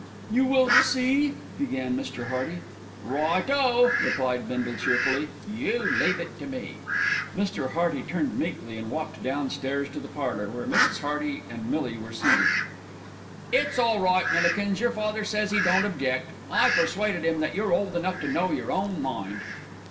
"You will see " began Mr. Hearty. "Right o!" replied Bindle cheerfully. "You leave it to me." Mr. Hearty turned meekly and walked downstairs to the parlour, where Mrs. Hearty and Millie were seated. "It's all right, Millikins, your father says 'e don't object. I persuaded 'im that you're old enough to know your own mind."